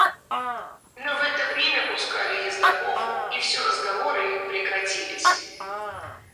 Но в это время пускали ездоков, и все разговоры прекратились.